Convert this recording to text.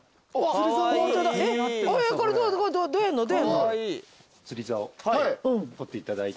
釣りざお取っていただいて釣り上げる。